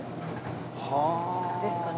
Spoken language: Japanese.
ですかね。